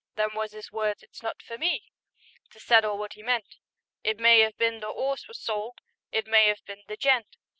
Them was 'is words; it's not for me To settle wot he meant; It may 'ave been the 'orse was sold, It may 'ave been the gent.